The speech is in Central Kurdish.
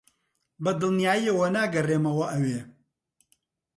بەدڵنیاییەوە ناگەڕێمەوە ئەوێ.